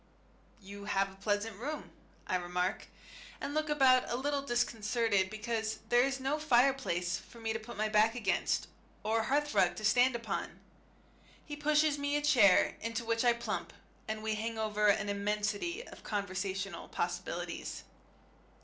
"You have a pleasant room," I remark, and look about a little disconcerted because there is no fireplace for me to put my back against, or hearthrug to stand upon. He pushes me a chair, into which I plump, and we hang over an immensity of conversational possibilities.